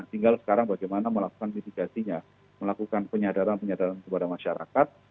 tinggal sekarang bagaimana melakukan mitigasinya melakukan penyadaran penyadaran kepada masyarakat